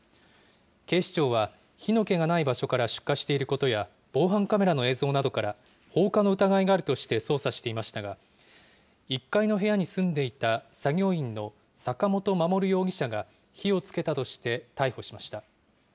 警視庁は、火の気がない場所から出火していることや、防犯カメラの映像などから、放火の疑いがあるとして捜査していましたが、１階の部屋に住んでいた作業員の坂本守容疑者が火をつけたとして、逮捕しました。